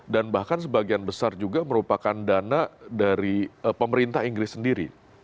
dan bahkan sebagian besar juga merupakan dana dari pemerintah inggris sendiri